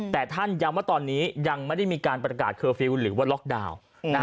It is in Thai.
แต่ท่านย้ำว่าตอนนี้ยังไม่ได้มีการประกาศเคอร์ฟิลล์หรือว่าล็อกดาวน์